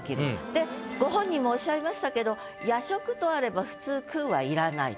でご本人もおっしゃいましたけど「夜食」とあれば普通「喰う」は要らないと。